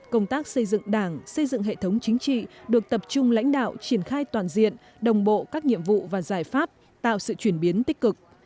công tác xây dựng đảng xây dựng hệ thống chính trị được tập trung lãnh đạo triển khai toàn diện đồng bộ các nhiệm vụ và giải pháp tạo sự chuyển biến tích cực